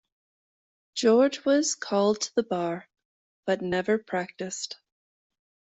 George was called to the Bar, but never practised.